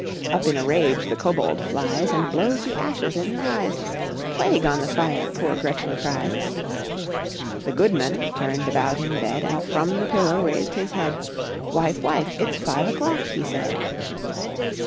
^ Up in a rage the Kobold fl ies , And blows the Ashes in her eyes ; ^''Plague on the Ftre/^poor Gretchen crieS . The Goodman turned about in Bed^ And from the Pillovj raised hxsHead ^""Vl/^ife^ IVife^ its Jive o clock/" he said.